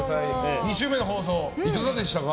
２週目の放送いかがでしたか？